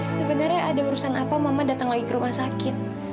sebenarnya ada urusan apa mama datang lagi ke rumah sakit